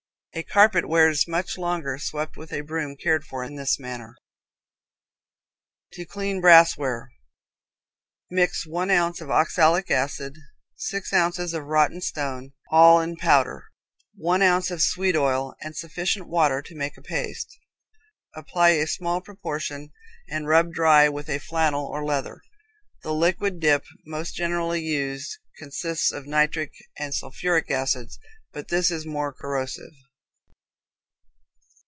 A carpet wears much longer swept with a broom cared for in this manner. To Clean Brassware. Mix one ounce of oxalic acid, six ounces of rotten stone, all in powder, one ounce of sweet oil, and sufficient water to make a paste. Apply a small proportion, and rub dry with a flannel or leather. The liquid dip most generally used consists of nitric and sulphuric acids, but this is more corrosive.